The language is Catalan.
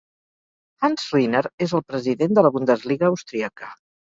Hans Rinner és el president de la Bundesliga Austríaca.